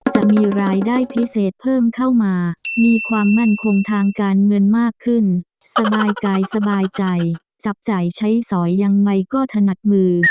จะมีรายได้พิเศษเพิ่มเข้ามามีความมั่นคงทางการเงินมากขึ้นสบายกายสบายใจจับจ่ายใช้สอยยังไงก็ถนัดมือ